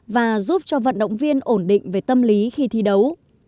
và giúp cho vận động viên ổn định về tâm lý khi thi đấu